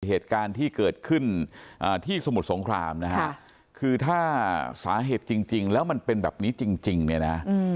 เหตุการณ์ที่เกิดขึ้นที่สมุทรสงครามนะฮะคือถ้าสาเหตุจริงแล้วมันเป็นแบบนี้จริงเนี่ยนะ